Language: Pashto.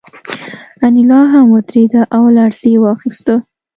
انیلا هم وورېده او لړزې واخیسته